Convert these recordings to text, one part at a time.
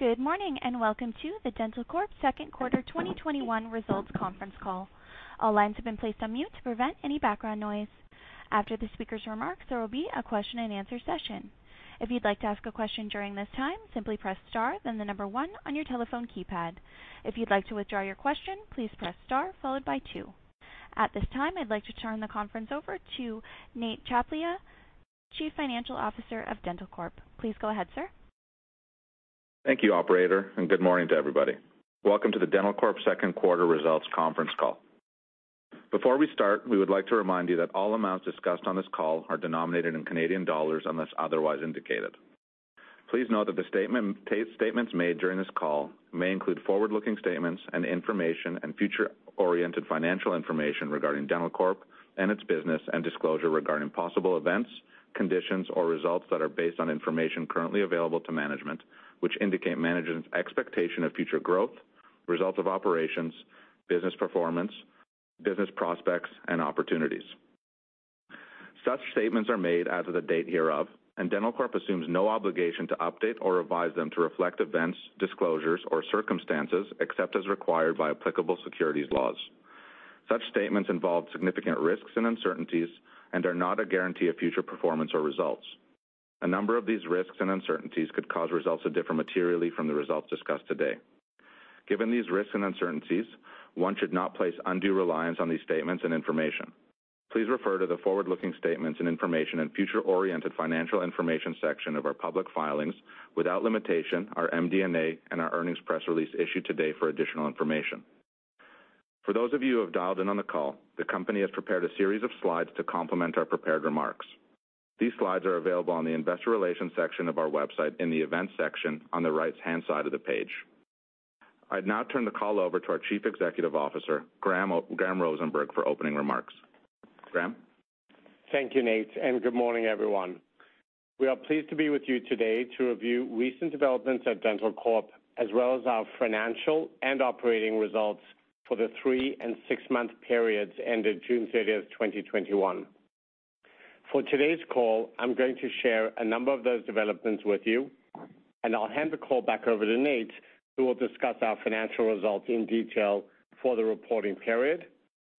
Good morning, and welcome to the dentalcorp Q2 2021 results conference call. All lines have been placed on mute to prevent any background noise. After the speaker's remarks, there will be a question and answer session. If you'd like to ask a question during this time, simply press star, then the number one on your telephone keypad. If you'd like to withdraw your question, please press star followed by two. At this time, I'd like to turn the conference over to Nate Tchaplia, Chief Financial Officer of dentalcorp. Please go ahead, sir. Thank you, operator, and good morning to everybody. Welcome to the dentalcorp Q2 results conference call. Before we start, we would like to remind you that all amounts discussed on this call are denominated in Canadian dollars unless otherwise indicated. Please note that the statements made during this call may include forward-looking statements and information and future-oriented financial information regarding dentalcorp and its business and disclosure regarding possible events, conditions, or results that are based on information currently available to management, which indicate management's expectation of future growth, results of operations, business performance, business prospects, and opportunities. Such statements are made as of the date hereof, and dentalcorp assumes no obligation to update or revise them to reflect events, disclosures, or circumstances except as required by applicable securities laws. Such statements involve significant risks and uncertainties and are not a guarantee of future performance or results. A number of these risks and uncertainties could cause results to differ materially from the results discussed today. Given these risks and uncertainties, one should not place undue reliance on these statements and information. Please refer to the forward-looking statements and information and future-oriented financial information section of our public filings, without limitation, our MD&A and our earnings press release issued today for additional information. For those of you who have dialed in on the call, the company has prepared a series of slides to complement our prepared remarks. These slides are available on the investor relations section of our website in the events section on the right-hand side of the page. I'd now turn the call over to our Chief Executive Officer, Graham Rosenberg, for opening remarks. Graham? Thank you, Nate. Good morning, everyone. We are pleased to be with you today to review recent developments at dentalcorp, as well as our financial and operating results for the three and six-month periods ended June 30th, 2021. For today's call, I'm going to share a number of those developments with you, and I'll hand the call back over to Nate, who will discuss our financial results in detail for the reporting period.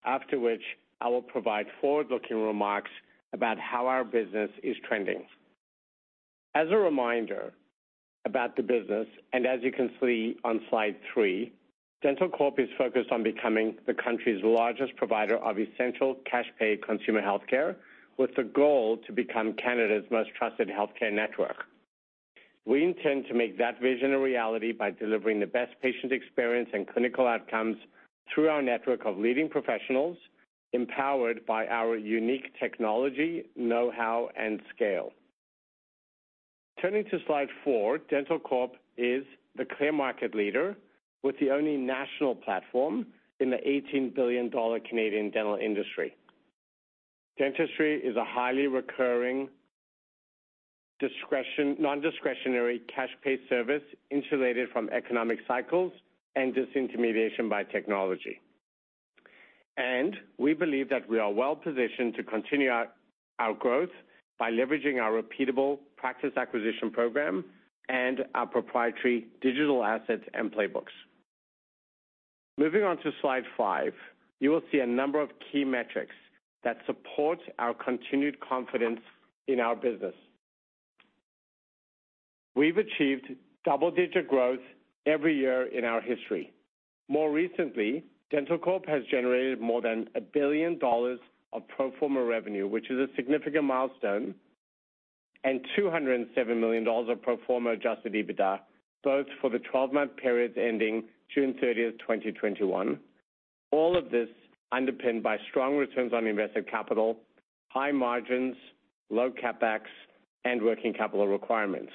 After which, I will provide forward-looking remarks about how our business is trending. As a reminder about the business, and as you can see on slide three, dentalcorp is focused on becoming the country's largest provider of essential cash pay consumer healthcare with the goal to become Canada's most trusted healthcare network. We intend to make that vision a reality by delivering the best patient experience and clinical outcomes through our network of leading professionals, empowered by our unique technology, know-how, and scale. Turning to slide four, dentalcorp is the clear market leader with the only national platform in the 18 billion Canadian dollars Canadian dental industry. Dentistry is a highly recurring, non-discretionary cash pay service insulated from economic cycles and disintermediation by technology. We believe that we are well-positioned to continue our growth by leveraging our repeatable practice acquisition program and our proprietary digital assets and playbooks. Moving on to slide five, you will see a number of key metrics that support our continued confidence in our business. We've achieved double-digit growth every year in our history. More recently, dentalcorp has generated more than 1 billion dollars of pro forma revenue, which is a significant milestone, and 207 million dollars of pro forma adjusted EBITDA, both for the 12-month periods ending June 30th, 2021. All of this underpinned by strong returns on invested capital, high margins, low CapEx, and working capital requirements.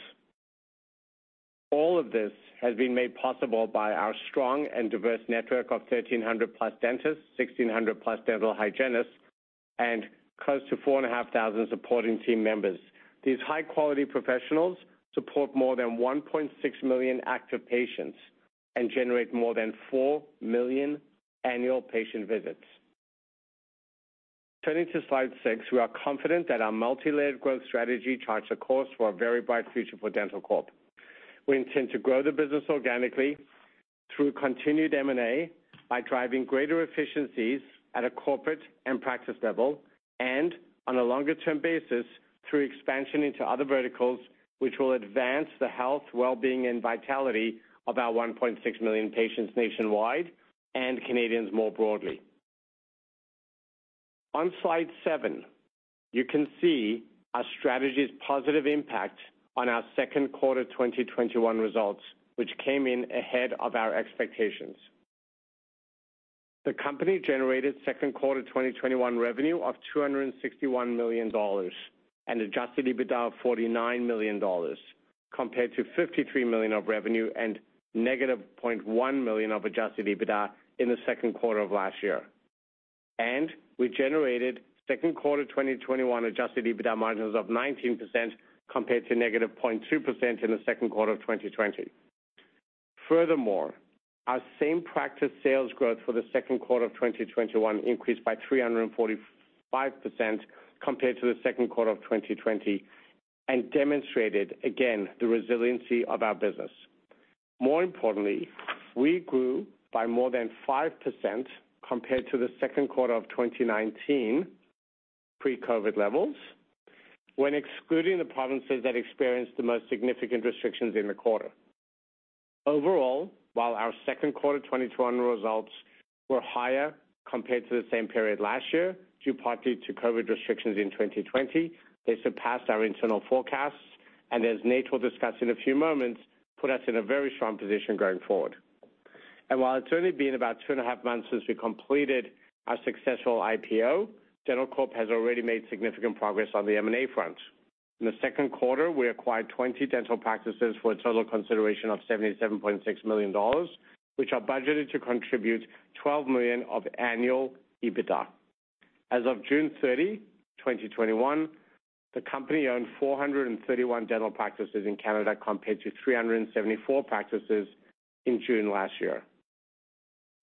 All of this has been made possible by our strong and diverse network of 1,300+ dentists, 1,600+ dental hygienists, and close to 4,500 supporting team members. These high-quality professionals support more than 1.6 million active patients and generate more than four million annual patient visits. Turning to slide six, we are confident that our multilayered growth strategy charts a course for a very bright future for dentalcorp. We intend to grow the business organically through continued M&A by driving greater efficiencies at a corporate and practice level. On a longer-term basis, through expansion into other verticals, which will advance the health, well-being, and vitality of our 1.6 million patients nationwide and Canadians more broadly. On slide seven, you can see our strategy's positive impact on our Q2 2021 results, which came in ahead of our expectations. The company generated Q2 2021 revenue of 261 million dollars and adjusted EBITDA of 49 million dollars, compared to 53 million of revenue and -0.1 million of adjusted EBITDA in the Q2 of last year. We generated Q2 2021 adjusted EBITDA margins of 19%, compared to -0.2% in the Q2 of 2020. Furthermore, our same-practice sales growth for the Q2 of 2021 increased by 345% compared to the Q2 of 2020 and demonstrated again the resiliency of our business. More importantly, we grew by more than 5% compared to the Q2 of 2019 pre-COVID levels when excluding the provinces that experienced the most significant restrictions in the quarter. Overall, while our Q2 2021 results were higher compared to the same period last year, due partly to COVID restrictions in 2020, they surpassed our internal forecasts and, as Nate will discuss in a few moments, put us in a very strong position going forward. While it's only been about two and a half months since we completed our successful IPO, dentalcorp has already made significant progress on the M&A front. In the Q2, we acquired 20 dental practices for a total consideration of 77.6 million dollars, which are budgeted to contribute 12 million of annual EBITDA. As of June 30, 2021, the company owned 431 dental practices in Canada, compared to 374 practices in June last year.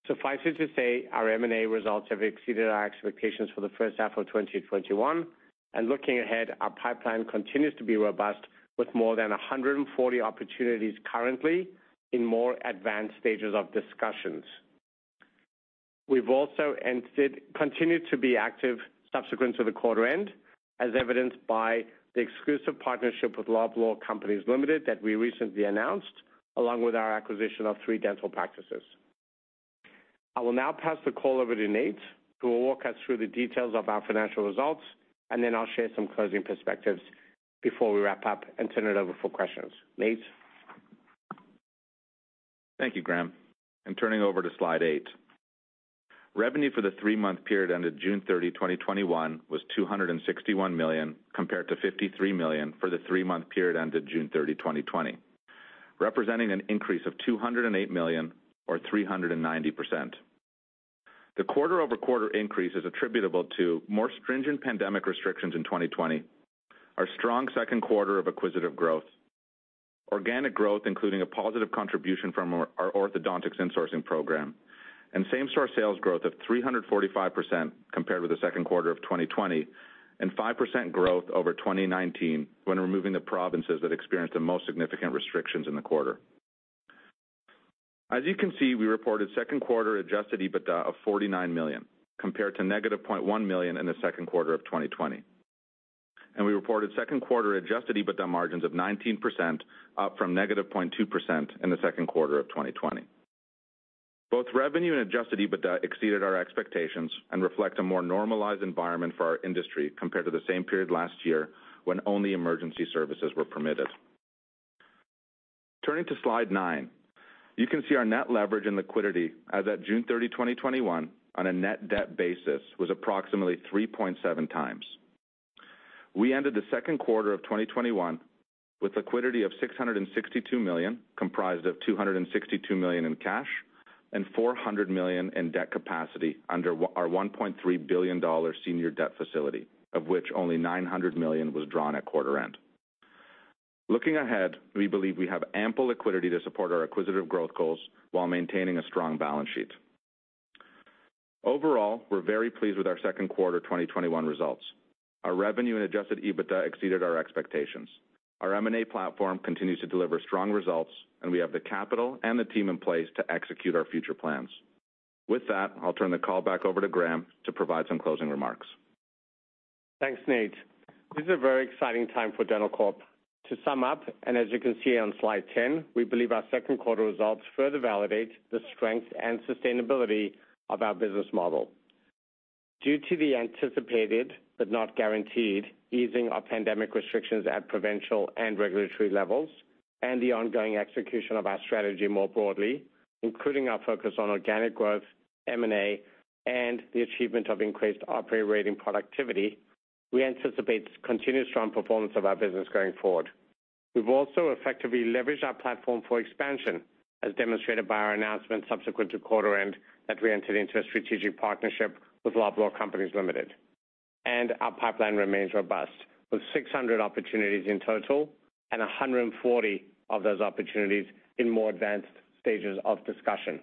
Suffice it to say, our M&A results have exceeded our expectations for the H1 of 2021, and looking ahead, our pipeline continues to be robust with more than 140 opportunities currently in more advanced stages of discussions. We've also continued to be active subsequent to the quarter end, as evidenced by the exclusive partnership with Loblaw Companies Limited that we recently announced, along with our acquisition of three dental practices. I will now pass the call over to Nate, who will walk us through the details of our financial results, and then I'll share some closing perspectives before we wrap up and turn it over for questions. Nate? Thank you, Graham. I'm turning over to slide eight. Revenue for the three-month period ended June 30, 2021, was 261 million, compared to 53 million for the three-month period ended June 30, 2020, representing an increase of 208 million or 390%. The quarter-over-quarter increase is attributable to more stringent pandemic restrictions in 2020, our strong Q2 of acquisitive growth, organic growth including a positive contribution from our orthodontics insourcing program, and same-practice sales growth of 345% compared with the Q2 of 2020 and 5% growth over 2019 when removing the provinces that experienced the most significant restrictions in the quarter. As you can see, we reported Q2 adjusted EBITDA of 49 million compared to -0.1 million in the Q2 of 2020. We reported Q2 adjusted EBITDA margins of 19%, up from -0.2% in the Q2 of 2020. Both revenue and adjusted EBITDA exceeded our expectations and reflect a more normalized environment for our industry compared to the same period last year when only emergency services were permitted. Turning to slide nine, you can see our net leverage and liquidity as at June 30, 2021, on a net debt basis, was approximately 3.7x We ended the Q2 of 2021 with liquidity of 662 million, comprised of 262 million in cash and 400 million in debt capacity under our 1.3 billion dollar senior debt facility, of which only 900 million was drawn at quarter end. Looking ahead, we believe we have ample liquidity to support our acquisitive growth goals while maintaining a strong balance sheet. Overall, we're very pleased with our Q2 2021 results. Our revenue and adjusted EBITDA exceeded our expectations. Our M&A platform continues to deliver strong results, and we have the capital and the team in place to execute our future plans. With that, I'll turn the call back over to Graham to provide some closing remarks. Thanks, Nate. This is a very exciting time for dentalcorp. To sum up, and as you can see on slide 10, we believe our Q2 results further validate the strength and sustainability of our business model. Due to the anticipated, but not guaranteed, easing of pandemic restrictions at provincial and regulatory levels and the ongoing execution of our strategy more broadly, including our focus on organic growth, M&A, and the achievement of increased operating productivity, we anticipate continued strong performance of our business going forward. We've also effectively leveraged our platform for expansion, as demonstrated by our announcement subsequent to quarter end, that we entered into a strategic partnership with Loblaw Companies Limited, and our pipeline remains robust with 600 opportunities in total and 140 of those opportunities in more advanced stages of discussion.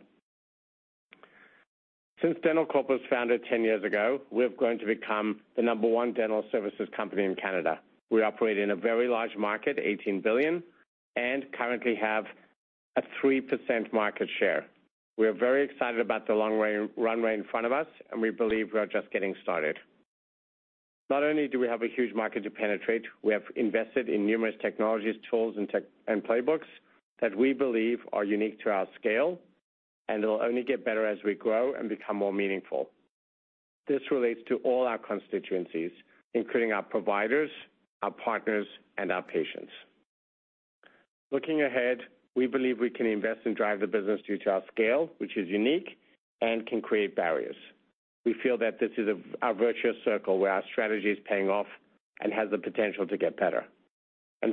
Since dentalcorp was founded 10 years ago, we're going to become the number one dental services company in Canada. We operate in a very large market, 18 billion, and currently have a 3% market share. We are very excited about the long runway in front of us, and we believe we are just getting started. Not only do we have a huge market to penetrate, we have invested in numerous technologies, tools, and playbooks that we believe are unique to our scale and will only get better as we grow and become more meaningful. This relates to all our constituencies, including our providers, our partners, and our patients. Looking ahead, we believe we can invest and drive the business due to our scale, which is unique and can create barriers. We feel that this is our virtuous circle where our strategy is paying off and has the potential to get better.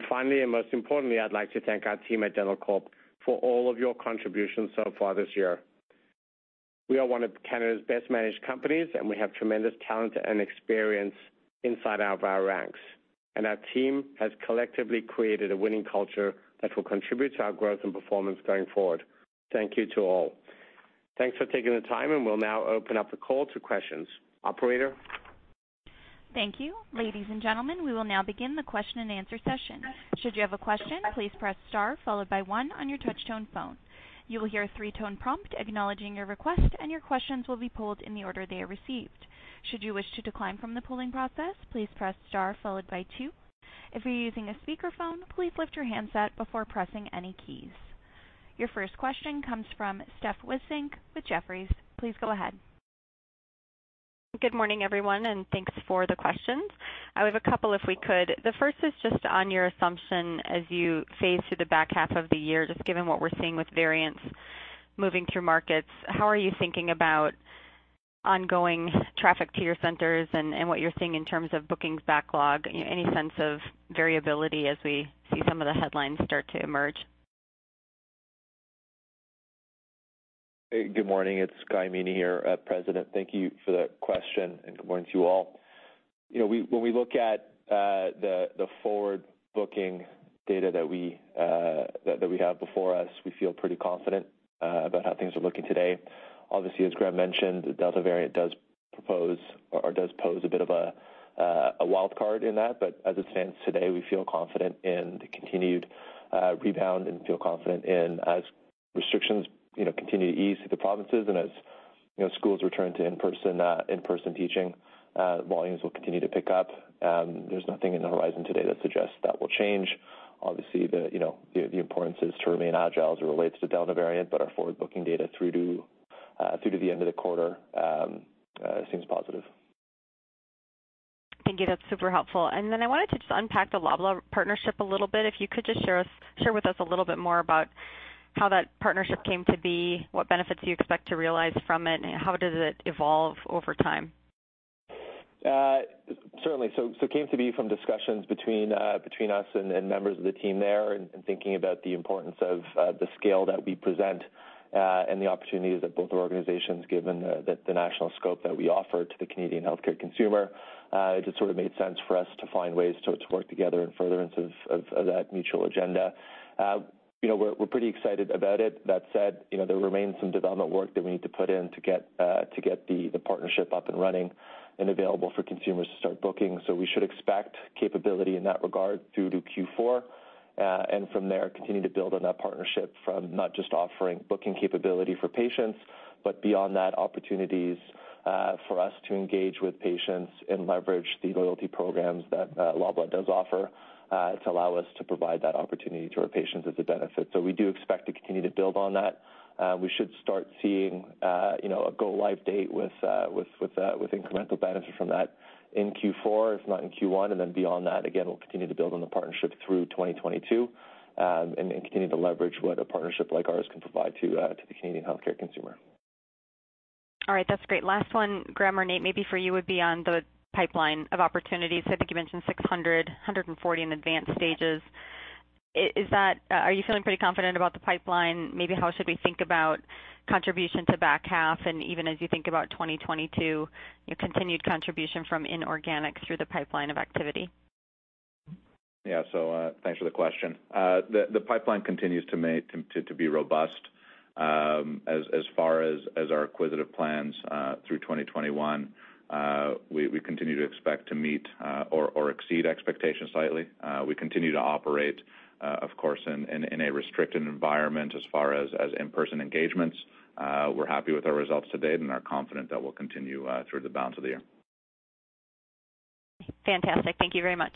Finally, and most importantly, I'd like to thank our team at dentalcorp for all of your contributions so far this year. We are one of Canada's best-managed companies, we have tremendous talent and experience inside out of our ranks. Our team has collectively created a winning culture that will contribute to our growth and performance going forward. Thank you to all. Thanks for taking the time, and we'll now open up the call to questions. Operator? Thank you. Ladies and gentlemen, we will now begin our questions and answer session. Should you have a question, please press star followed by one on your touch-tone phone. You will hear a three-tone prompt acknowledging your request and your question will be prompt in the order they are received. Should you wish to decline your request, please press star followed by two. If you are using a speaker phone, please watch you answer before pressing any keys. Your first question comes from Steph Wissink with Jefferies. Please go ahead. Good morning, everyone, and thanks for the questions. I have a couple, if we could. The first is just on your assumption as you phase through the back half of the year, just given what we're seeing with variants moving through markets, how are you thinking about ongoing traffic to your centers and what you're seeing in terms of bookings backlog? Any sense of variability as we see some of the headlines start to emerge? Hey, good morning. It's Guy Amini here, President. Thank you for that question, and good morning to you all. When we look at the forward-booking data that we have before us, we feel pretty confident about how things are looking today. Obviously, as Graham mentioned, the Delta variant does pose a bit of a wild card in that. As it stands today, we feel confident in the continued rebound and feel confident in as restrictions continue to ease through the provinces and as schools return to in-person teaching, volumes will continue to pick up. There's nothing in the horizon today that suggests that will change. Obviously, the importance is to remain agile as it relates to Delta variant, but our forward-booking data through to the end of the quarter seems positive. Thank you. That's super helpful. I wanted to just unpack the Loblaw partnership a little bit. If you could just share with us a little bit more about how that partnership came to be, what benefits you expect to realize from it, and how does it evolve over time? Certainly. It came to be from discussions between us and members of the team there and thinking about the importance of the scale that we present and the opportunities that both organizations, given the national scope that we offer to the Canadian healthcare consumer. It just sort of made sense for us to find ways to work together in furtherance of that mutual agenda. We're pretty excited about it. That said, there remains some development work that we need to put in to get the partnership up and running and available for consumers to start booking. We should expect capability in that regard through to Q4, and from there, continue to build on that partnership from not just offering booking capability for patients, but beyond that, opportunities for us to engage with patients and leverage the loyalty programs that Loblaw does offer to allow us to provide that opportunity to our patients as a benefit. We do expect to continue to build on that. We should start seeing a go-live date with incremental benefits from that in Q4, if not in Q1. Beyond that, again, we'll continue to build on the partnership through 2022 and continue to leverage what a partnership like ours can provide to the Canadian healthcare consumer. All right. That's great. Last one, Graham or Nate, maybe for you, would be on the pipeline of opportunities. I think you mentioned 600, 140 in advanced stages. Are you feeling pretty confident about the pipeline? Maybe how should we think about contribution to back half and even as you think about 2022, continued contribution from inorganics through the pipeline of activity? Thanks for the question. The pipeline continues to be robust. As far as our acquisitive plans through 2021, we continue to expect to meet or exceed expectations slightly. We continue to operate, of course, in a restricted environment as far as in-person engagements. We're happy with our results to date and are confident that we'll continue through the balance of the year. Fantastic. Thank you very much.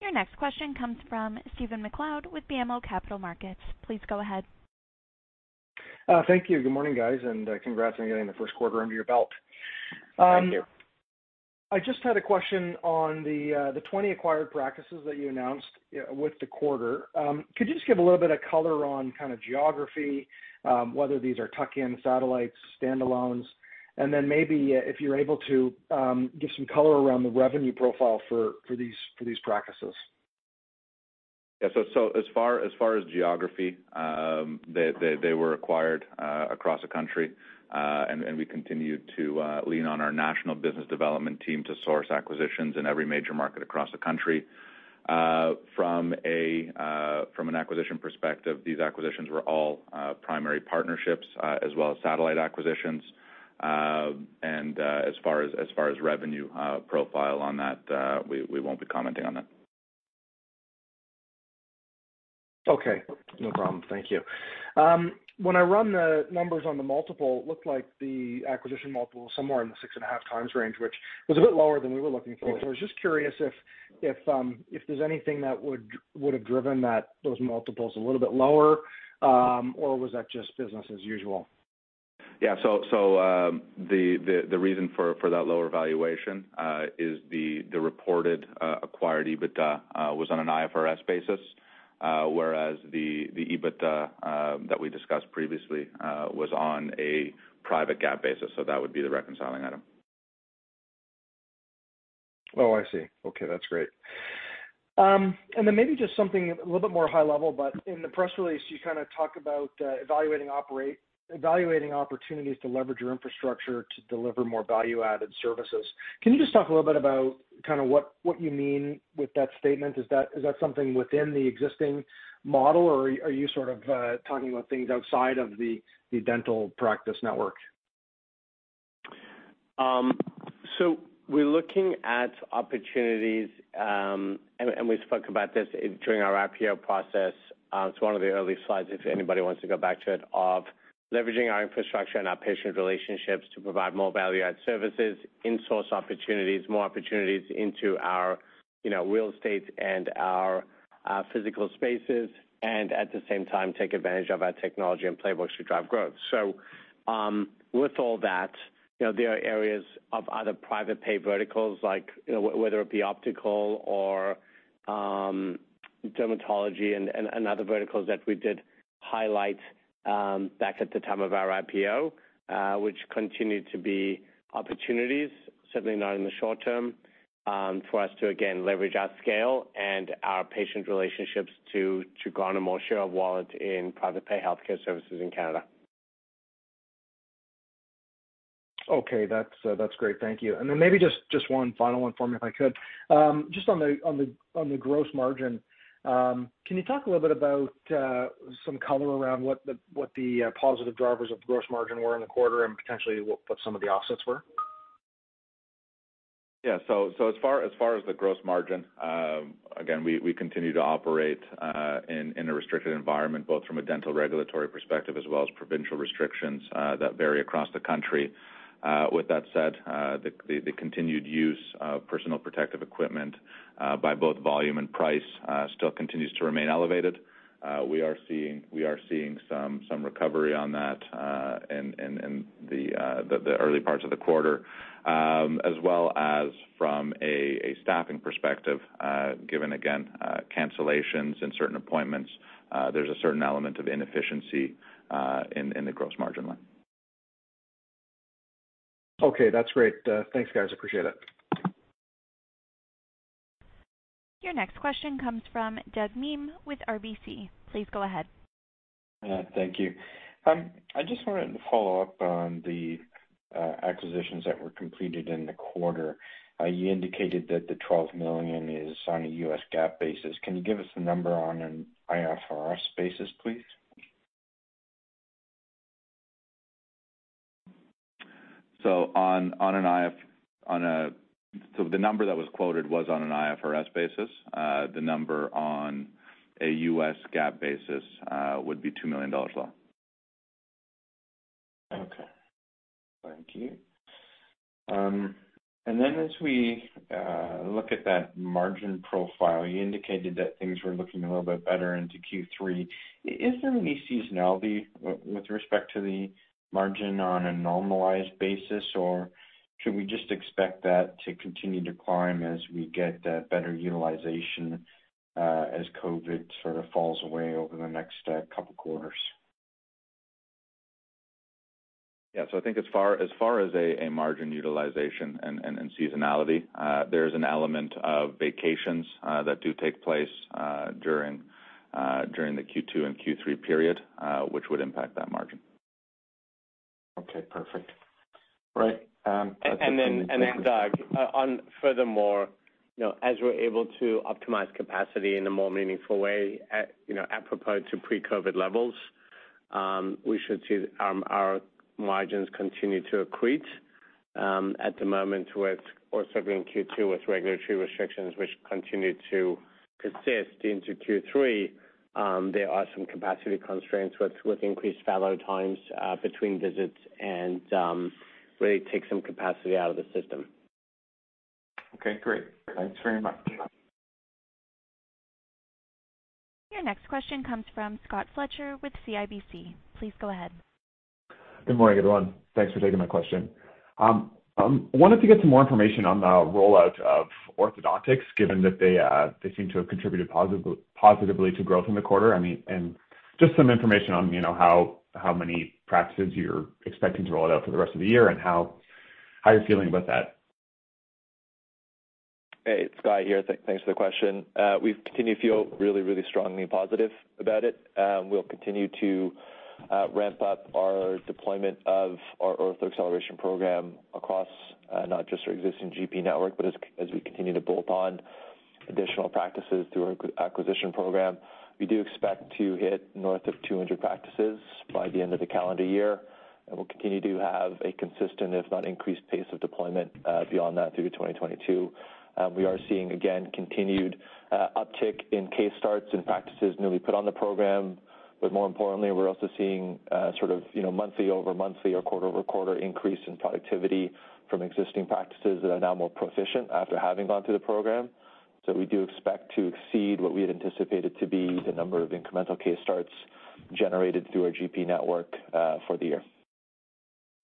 Your next question comes from Stephen MacLeod with BMO Capital Markets. Please go ahead. Thank you. Good morning, guys, and congrats on getting the Q1 under your belt. Thank you. I just had a question on the 20 acquired practices that you announced with the quarter. Could you just give a little bit of color on kind of geography, whether these are tuck-in satellites, standalones, and then maybe if you're able to give some color around the revenue profile for these practices? Yeah. As far as geography, they were acquired across the country, and we continue to lean on our national business development team to source acquisitions in every major market across the country. From an acquisition perspective, these acquisitions were all primary partnerships as well as satellite acquisitions. As far as revenue profile on that, we won't be commenting on that. Okay. No problem. Thank you. When I run the numbers on the multiple, it looked like the acquisition multiple was somewhere in the 6.5x range, which was a bit lower than we were looking for. Yeah. I was just curious if there's anything that would've driven those multiples a little bit lower, or was that just business as usual? Yeah. The reason for that lower valuation is the reported acquired EBITDA was on an IFRS basis, whereas the EBITDA that we discussed previously was on a private GAAP basis. That would be the reconciling item. Oh, I see. Okay, that's great. Maybe just something a little bit more high level, but in the press release, you talked about evaluating opportunities to leverage your infrastructure to deliver more value-added services. Can you just talk a little bit about what you mean with that statement? Is that something within the existing model, or are you talking about things outside of the dental practice network? We're looking at opportunities, and we spoke about this during our IPO process. It's one of the early slides, if anybody wants to go back to it, of leveraging our infrastructure and our patient relationships to provide more value-add services, in-source opportunities, more opportunities into our real estate and our physical spaces, and at the same time, take advantage of our technology and playbooks to drive growth. With all that, there are areas of other private pay verticals, whether it be optical or dermatology and other verticals that we did highlight back at the time of our IPO, which continue to be opportunities, certainly not in the short term, for us to, again, leverage our scale and our patient relationships to garner more share of wallet in private pay healthcare services in Canada. Okay. That's great. Thank you. Then maybe just one final one for me, if I could. Just on the gross margin, can you talk a little bit about some color around what the positive drivers of gross margin were in the quarter and potentially what some of the offsets were? Yeah. As far as the gross margin, again, we continue to operate in a restricted environment, both from a dental regulatory perspective as well as provincial restrictions that vary across the country. With that said, the continued use of personal protective equipment by both volume and price still continues to remain elevated. We are seeing some recovery on that in the early parts of the quarter, as well as from a staffing perspective, given, again, cancellations in certain appointments. There's a certain element of inefficiency in the gross margin line. Okay. That's great. Thanks, guys. Appreciate it. Your next question comes from Doug Miehm with RBC. Please go ahead. Thank you. I just wanted to follow up on the acquisitions that were completed in the quarter. You indicated that the $12 million is on a US GAAP basis. Can you give us a number on an IFRS basis, please? The number that was quoted was on an IFRS basis. The number on a US GAAP basis would be 2 million dollars low. Okay. Thank you. Then as we look at that margin profile, you indicated that things were looking a little bit better into Q3. Is there any seasonality with respect to the margin on a normalized basis, should we just expect that to continue to climb as we get better utilization as COVID sort of falls away over the next couple quarters? Yeah. I think as far as a margin utilization and seasonality, there is an element of vacations that do take place during the Q2 and Q3 period, which would impact that margin. Okay, perfect. Right. Doug, on furthermore, as we're able to optimize capacity in a more meaningful way, apropos to pre-COVID levels, we should see our margins continue to accrete. At the moment, we're struggling in Q2 with regulatory restrictions, which continue to persist into Q3. There are some capacity constraints with increased fallow times between visits and really take some capacity out of the system. Okay, great. Thanks very much. Your next question comes from Scott Fletcher with CIBC. Please go ahead. Good morning, everyone. Thanks for taking my question. I wanted to get some more information on the rollout of orthodontics, given that they seem to have contributed positively to growth in the quarter. Just some information on how many practices you're expecting to roll out for the rest of the year and how you're feeling about that? Hey, it's Guy here. Thanks for the question. We continue to feel really strongly positive about it. We'll continue to ramp up our deployment of our Ortho Acceleration Program across not just our existing GP network, but as we continue to bolt on additional practices through our acquisition program. We do expect to hit north of 200 practices by the end of the calendar year, and we'll continue to have a consistent, if not increased, pace of deployment beyond that through 2022. We are seeing, again, continued uptick in case starts and practices newly put on the program. More importantly, we're also seeing month-over-month or quarter-over-quarter increase in productivity from existing practices that are now more proficient after having gone through the program. We do expect to exceed what we had anticipated to be the number of incremental case starts generated through our GP network for the year.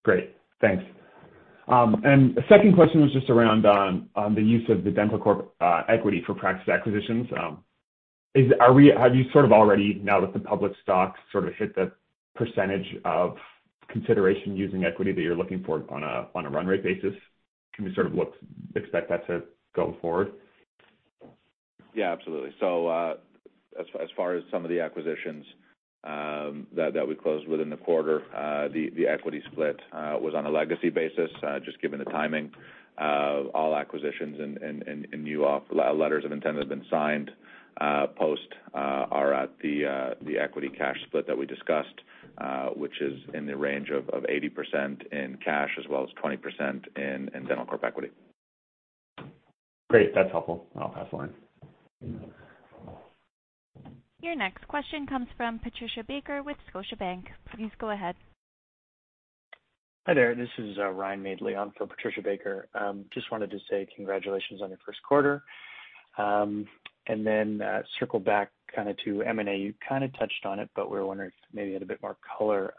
Great, thanks. The second question was just around on the use of the dentalcorp equity for practice acquisitions. Have you already, now that the public stock hit the percentage of consideration using equity that you are looking for on a run rate basis, can we expect that to go forward? Yeah, absolutely. As far as some of the acquisitions that we closed within the quarter, the equity split was on a legacy basis, just given the timing of all acquisitions and new letters of intent have been signed post are at the equity cash split that we discussed, which is in the range of 80% in cash as well as 20% in dentalcorp equity. Great. That's helpful. I'll pass the line. Your next question comes from Patricia Baker with Scotiabank. Please go ahead. Hi there. This is Ryan Madeley on for Patricia Baker. Wanted to say congratulations on your Q1, and then circle back to M&A. You touched on it, but we were wondering if maybe you had a bit more color.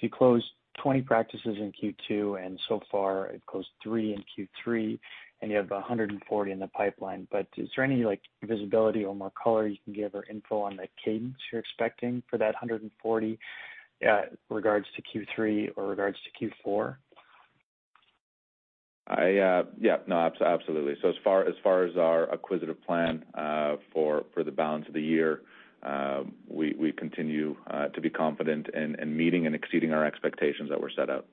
You closed 20 practices in Q2, and so far have closed three in Q3, and you have 140 in the pipeline. Is there any visibility or more color you can give or info on the cadence you're expecting for that 140 regards to Q3 or regards to Q4? Yeah. No, absolutely. As far as our acquisitive plan for the balance of the year, we continue to be confident in meeting and exceeding our expectations that were set out.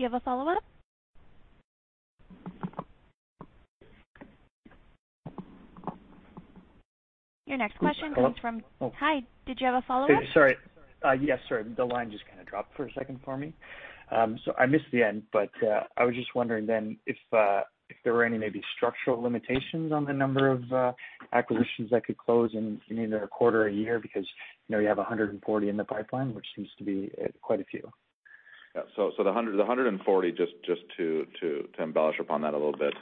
Do you have a follow-up? Your next question comes from. Hello? Hi. Did you have a follow-up? Sorry. Yes, sorry. The line just dropped for a second for me. I missed the end, but I was just wondering then if there were any maybe structural limitations on the number of acquisitions that could close in either a quarter or a year, because you have 140 in the pipeline, which seems to be quite a few. The 140, just to embellish upon that a little bit,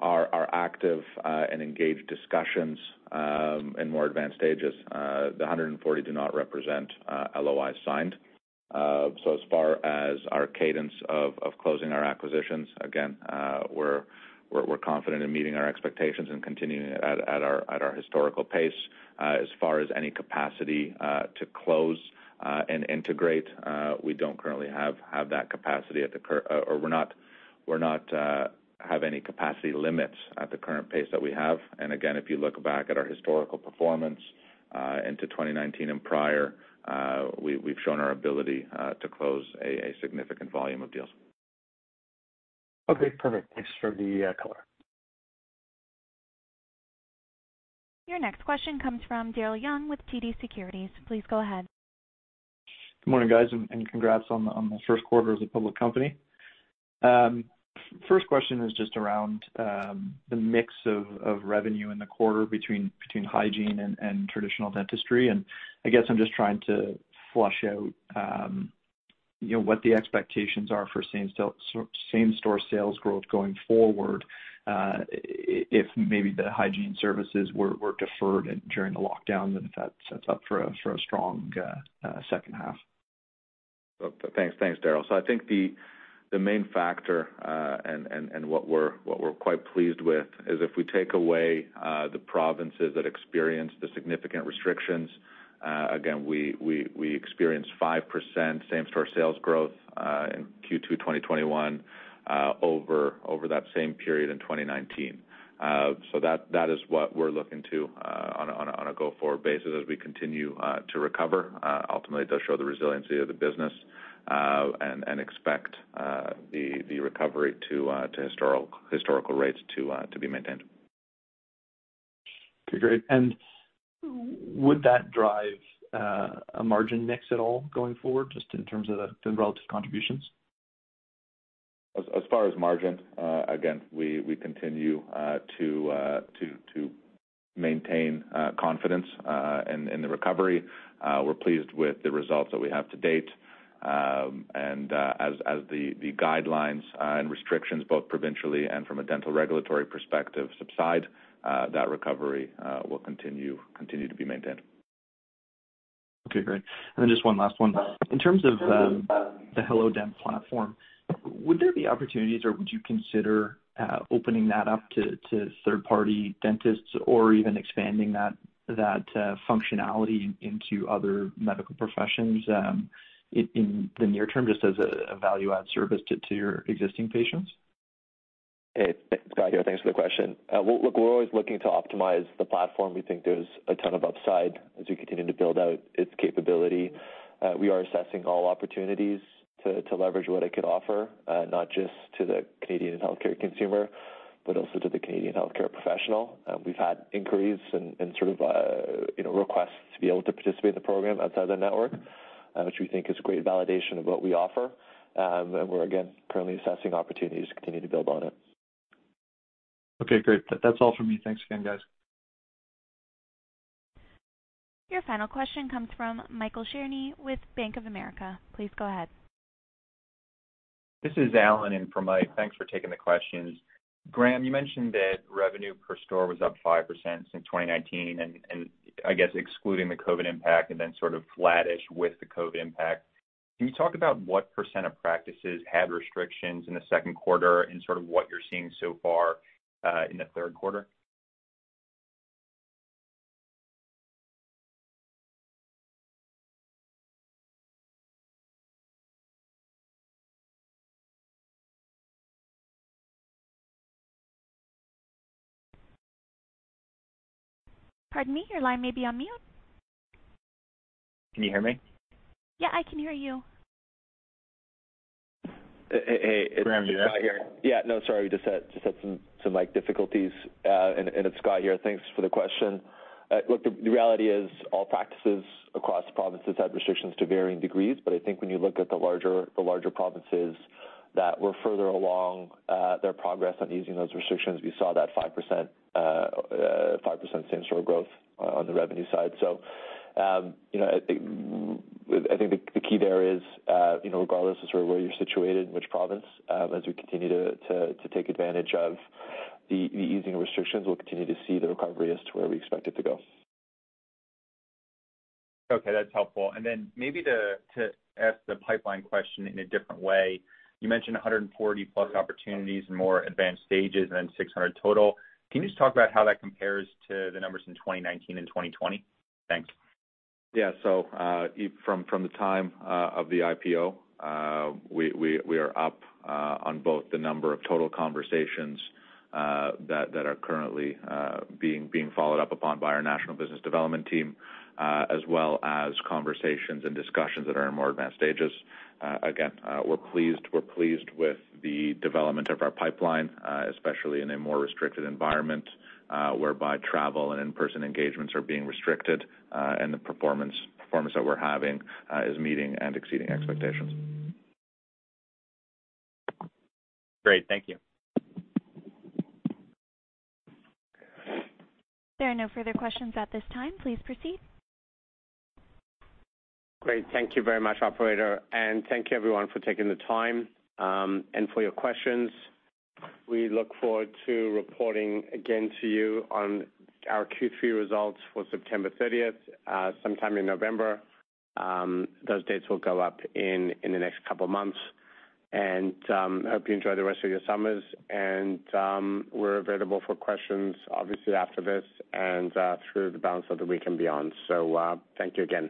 are active and engaged discussions in more advanced stages. The 140 do not represent LOIs signed. As far as our cadence of closing our acquisitions, again, we're confident in meeting our expectations and continuing at our historical pace. As far as any capacity to close and integrate, we don't currently have that capacity, or we don't have any capacity limits at the current pace that we have. Again, if you look back at our historical performance into 2019 and prior, we've shown our ability to close a significant volume of deals. Okay, perfect. Thanks for the color. Your next question comes from Daryl Young with TD Securities. Please go ahead. Good morning, guys, and congrats on the Q1 as a public company. First question is just around the mix of revenue in the quarter between hygiene and traditional dentistry. I guess I'm just trying to flush out what the expectations are for same-practice sales growth going forward. If maybe the hygiene services were deferred during the lockdown, if that sets up for a strong H2. Thanks, Daryl. I think the main factor and what we're quite pleased with is if we take away the provinces that experienced the significant restrictions, again, we experienced 5% Same Practice Sales Growth in Q2 2021 over that same period in 2019. That is what we're looking to on a go-forward basis as we continue to recover. Ultimately, it does show the resiliency of the business and expect the recovery to historical rates to be maintained. Okay, great. Would that drive a margin mix at all going forward, just in terms of the relative contributions? As far as margin, again, we continue to maintain confidence in the recovery. We're pleased with the results that we have to date. As the guidelines and restrictions, both provincially and from a dental regulatory perspective subside, that recovery will continue to be maintained. Okay, great. Just one last one. In terms of the hellodent platform, would there be opportunities or would you consider opening that up to third-party dentists or even expanding that functionality into other medical professions in the near term just as a value-add service to your existing patients? Guy here. Thanks for the question. Look, we're always looking to optimize the platform. We think there's a ton of upside as we continue to build out its capability. We are assessing all opportunities to leverage what it could offer, not just to the Canadian healthcare consumer, but also to the Canadian healthcare professional. We've had inquiries and requests to be able to participate in the program outside the network, which we think is a great validation of what we offer. We're, again, currently assessing opportunities to continue to build on it. Okay, great. That's all from me. Thanks again, guys. Your final question comes from Michael Cherny with Bank of America. Please go ahead. This is Allen Lutz in for Michael Cherny. Thanks for taking the questions. Graham Rosenberg, you mentioned that revenue per store was up 5% since 2019 and I guess excluding the COVID impact and then sort of flattish with the COVID impact. Can you talk about what percent of practices had restrictions in the Q2 and sort of what you're seeing so far in the Q3? Pardon me. Your line may be on mute. Can you hear me? Yeah, I can hear you. Hey, it's Guy here. Graham, you there? Yeah. No, sorry. We just had some mic difficulties. It's Guy here. Thanks for the question. Look, the reality is all practices across the provinces had restrictions to varying degrees. I think when you look at the larger provinces that were further along their progress on easing those restrictions, we saw that 5% Same Practice Sales Growth on the revenue side. I think the key there is regardless of sort of where you're situated, in which province as we continue to take advantage of the easing of restrictions, we'll continue to see the recovery as to where we expect it to go. Okay. That's helpful. Maybe to ask the pipeline question in a different way. You mentioned 140+ opportunities in more advanced stages and then 600 total. Can you just talk about how that compares to the numbers in 2019 and 2020? Thanks. Yeah. From the time of the IPO, we are up on both the number of total conversations that are currently being followed up upon by our national business development team, as well as conversations and discussions that are in more advanced stages. Again, we're pleased with the development of our pipeline, especially in a more restricted environment whereby travel and in-person engagements are being restricted. The performance that we're having is meeting and exceeding expectations. Great. Thank you. There are no further questions at this time. Please proceed. Great. Thank you very much, operator, and thank you everyone for taking the time, and for your questions. We look forward to reporting again to you on our Q3 results for September 30th, sometime in November. Those dates will go up in the next couple of months. Hope you enjoy the rest of your summers. We're available for questions, obviously after this, and through the balance of the week and beyond. Thank you again.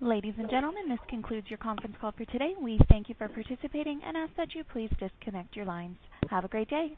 Ladies and gentlemen, this concludes your conference call for today. We thank you for participating and ask that you please disconnect your lines. Have a great day.